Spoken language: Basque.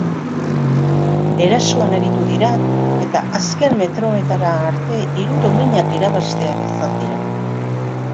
Erasoan aritu dira eta azken metroetara arte hiru dominak irabaztear izan dira.